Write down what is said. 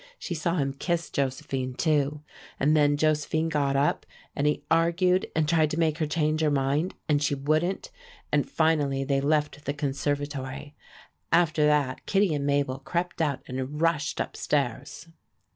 She saw him kiss Josephine, too, and then Josephine got up, and he argued and tried to make her change her mind, and she wouldn't, and finally they left the conservatory. After that Kittie and Mabel crept out and rushed up stairs.